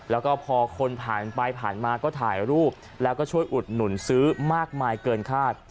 แล้วก็พอคนผ่านไปผ่านมาก็ถ่ายรูปแล้วก็ช่วยอุดหนุนซื้อมากมายเกินคาด